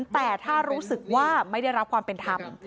แต่ถ้ารู้สึกว่าไม่ได้รับความเป็นธรรม